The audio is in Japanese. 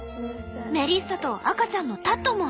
メリッサと赤ちゃんのタッドも。